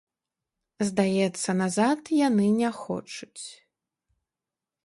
Здаецца, назад яны не хочуць.